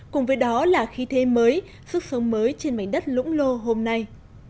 cùng với đó là khí thế mới sức sống mới trên mảnh đất lũng lô hôm nay